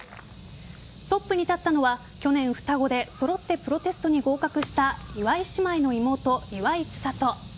トップに立ったのは去年、双子でそろってプロテストに合格した岩井姉妹の妹岩井千怜。